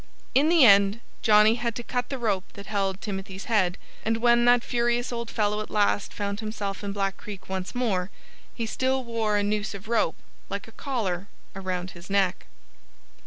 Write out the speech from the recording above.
In the end Johnnie had to cut the rope that held Timothy's head. And when that furious old fellow at last found himself in Black Creek once more he still wore a noose of rope, like a collar, around his neck.